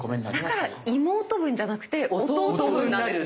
だから妹分じゃなくて弟分なんですね。